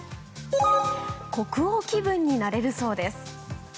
国王気分になれるそうです。